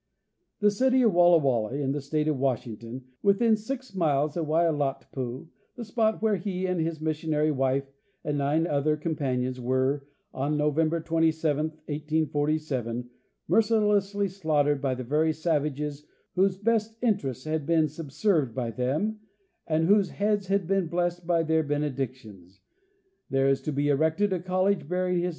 At the city of Walla Walla, in the state of Washington, within six miles of Waiilatpu, the spot where he and his missionary wife and nine other companions were, on November 27, 1847, mercilessly slaughtered by the very savages whose best interests had been subserved by them and whose heads had been blessed by their benedictions, there is to be erected a college bearing his.